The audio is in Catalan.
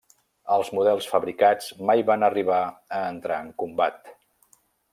Els models fabricats mai van arribar a entrar en combat.